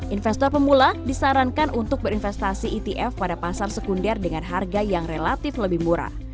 investor pemula disarankan untuk berinvestasi etf pada pasar sekunder dengan harga yang relatif lebih murah